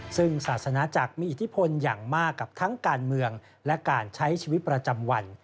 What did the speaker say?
ซึ่งศาสนาจักรมีอิทธิพลอย่างมากกับทั้งการเมืองและการใช้ชีวิตประจำวัน